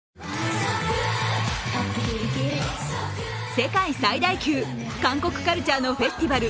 世界最大級、韓国カルチャーのフェスティバル